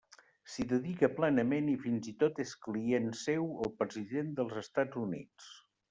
S'hi dedica plenament i fins i tot és client seu el president dels Estats Units.